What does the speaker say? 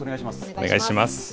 お願いします。